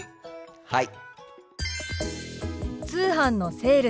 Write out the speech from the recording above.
はい。